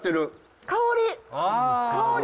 香り！